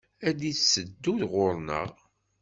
Ad d-itteddu ɣur-nneɣ!